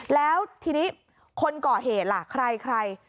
แล้วทีนี้คนก่อเหตุล่ะใคร